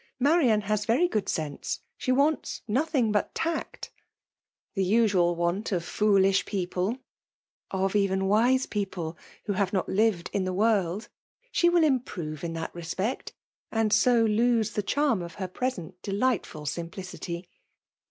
Marian has very good sense. She wants nothing but tact." ^" The usual want of foolish people." Of even wise people, who have not lived FEMALE DOMINATION. 60 Sn the world. She vdll improve in that re spect, and 80 lose the charm of her present dch*ghtful simplicity."